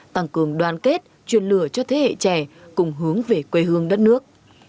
tăng cường đoàn kết chuyên lửa cho thế hệ trẻ cùng hướng về quê hương đất nước